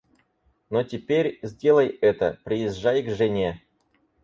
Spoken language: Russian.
Но теперь, сделай это, приезжай к жене.